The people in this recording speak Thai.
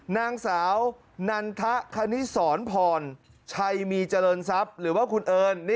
นางสาวนันทะคณิสรพรชัยมีเจริญทรัพย์หรือว่าคุณเอิญ